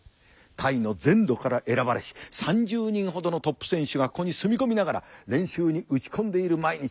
タイの全土から選ばれし３０人ほどのトップ選手がここに住み込みながら練習に打ち込んでいる毎日というわけだ。